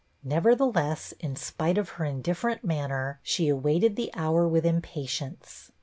Nevertheless, in spite of her indifferent manner, she awaited the hour with impa tience.